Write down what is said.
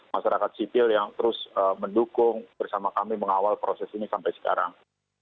masyarakat sipil yang terus mendukung bersama kami mengawal proses ini sampai sekarang